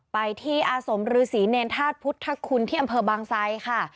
ไปที่อาสมฤษีเนรธาตุพุทธคุณที่อำเภอบางไซค่ะ